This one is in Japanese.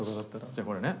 じゃあこれね。